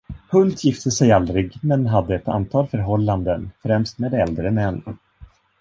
Hunt gifte sig aldrig, men hade ett antal förhållanden, främst med äldre män.